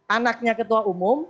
anaknya ketua umum